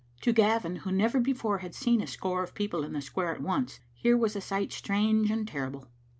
To Gavin, who never before had seen a score of peo ple in the square at once, here was a sight strange and terrible.